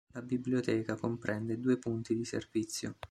La biblioteca comprende due punti di servizio.